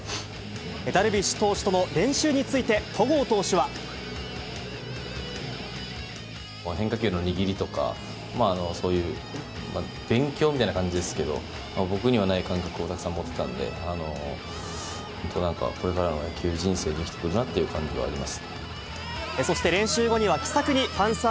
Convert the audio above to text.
ダルビッシュ投手との練習に変化球の握りとか、そういう勉強みたいな感じですけど、僕にはない感覚を持ってたので、本当なんか、これからの野球人生に生きてくるなという感じがあります。